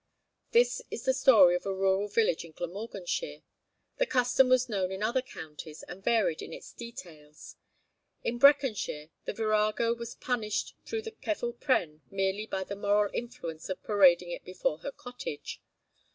This is the story of a rural village in Glamorganshire. The custom was known in other counties, and varied in its details. In Breconshire, the virago was punished through the ceffyl pren merely by the moral influence of parading it before her cottage.